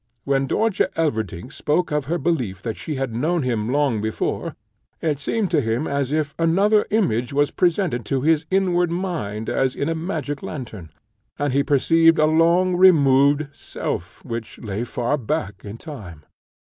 When Dörtje Elverdink spoke of her belief that she had known him long before, it seemed to him as if another image was presented to his inward mind as in a magic lantern, and he perceived a long removed SELF, which lay far back in time.